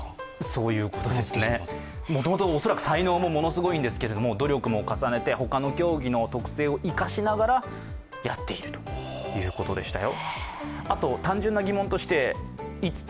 そういうことですね、もともと才能もすごいんですけれども努力も重ねて、他の競技の特性を生かしながらやっているということでしたよ。